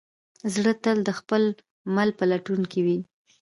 زړه تل د خپل مل په لټون کې وي.